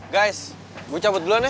guys gue cabut duluan ya